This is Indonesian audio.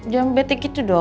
jangan bete gitu dong